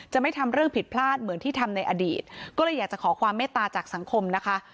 ไม่ทำเรื่องผิดพลาดเหมือนที่ทำในอดีตก็เลยอยากจะขอความเมตตาจากสังคมนะคะ